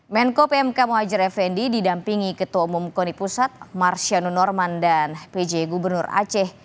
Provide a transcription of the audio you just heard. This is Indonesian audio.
menko pmk muhajir effendi didampingi ketua umum koni pusat marsiano norman dan pj gubernur aceh